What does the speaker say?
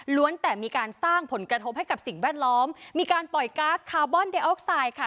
แต่มีการสร้างผลกระทบให้กับสิ่งแวดล้อมมีการปล่อยก๊าซคาร์บอนเดออกไซด์ค่ะ